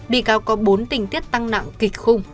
bị cáo có bốn tình tiết tăng nặng kịch khung